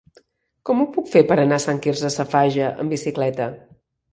Com ho puc fer per anar a Sant Quirze Safaja amb bicicleta?